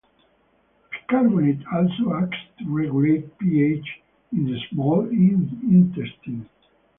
Bicarbonate also acts to regulate pH in the small intestine.